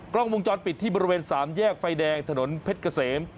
กล้องวงจรปิดที่บริเวณสามแยกไฟแดงถนนเพชรเกษม